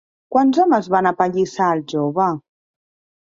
Quants homes van apallissar al jove?